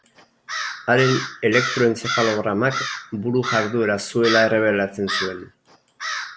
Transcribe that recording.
Haren elektroentzefalogramak buru-jarduera zuela errebelatzen zuen.